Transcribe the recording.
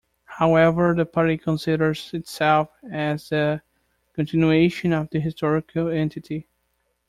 However the party considers itself as the continuation of the historical entity.